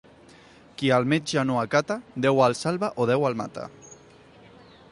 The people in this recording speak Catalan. Qui el metge no acata, Déu el salva o Déu el mata.